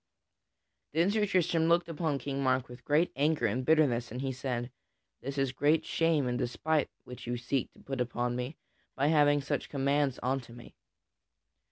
Then Sir Tristram looked upon King Mark with great anger and bitterness, and he said: "This is great shame and despite which you seek to put upon me by giving such commands unto me.